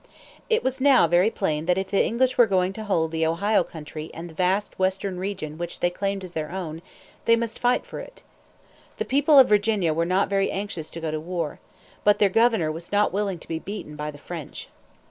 It was now very plain that if the English were going to hold the Ohio Country and the vast western region which they claimed as their own, they must fight for it. The people of Virginia were not very anxious to go to war. But their governor was not willing to be beaten by the French.